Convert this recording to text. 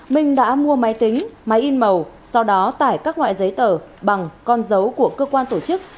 minh đã mua máy tính máy in màu sau đó tải các loại giấy tờ bằng con dấu của cơ quan tổ chức